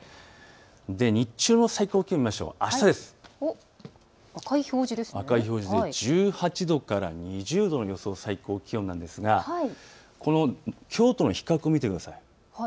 日中の最高気温を見ますとあした、１８度から２０度の予想、最高気温なんですがこのきょうとの比較を見てください。